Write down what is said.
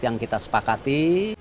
yang kita sepakati